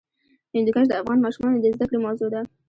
هندوکش د افغان ماشومانو د زده کړې موضوع ده.